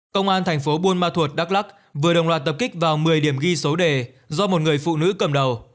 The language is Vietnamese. công an thành phố buôn ma thuột đắk lắc vừa đồng loạt tập kích vào một mươi điểm ghi số đề do một người phụ nữ cầm đầu